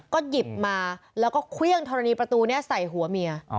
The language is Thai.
ก็หยิบมาแล้วก็เครื่องธรณีประตูนี้ใส่หัวเมีย